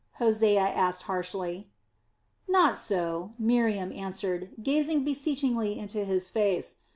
Hosea asked harshly. "Not so," Miriam answered, gazing beseechingly into his face.